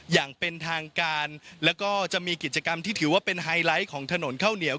อย่างเป็นทางการแล้วก็จะมีกิจกรรมที่ถือว่าเป็นไฮไลท์ของถนนข้าวเหนียว